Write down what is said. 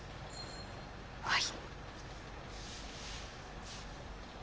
はい。